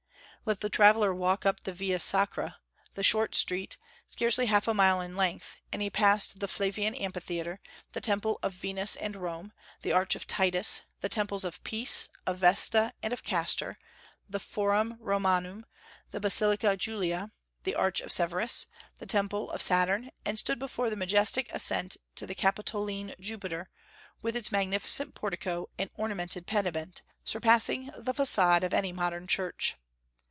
Let the traveller walk up the Via Sacra, that short street, scarcely half a mile in length, and he passed the Flavian Amphitheatre, the Temple of Venus and Rome, the Arch of Titus, the Temples of Peace, of Vesta, and of Castor, the Forum Romanum, the Basilica Julia, the Arch of Severus, the Temple of Saturn, and stood before the majestic ascent to the Capitoline Jupiter, with its magnificent portico and ornamented pediment, surpassing the façade of any modern church.